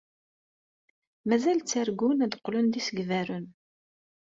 Mazal ttargun ad qqlen d isegbaren?